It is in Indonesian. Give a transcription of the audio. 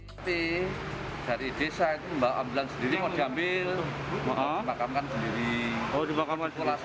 keluarganya yang meninggal karena terpapar c sembilan atau covid sembilan belas